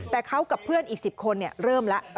แต่เขากับเพื่อนอีก๑๐คนเริ่มแล้ว